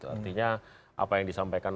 artinya apa yang disampaikan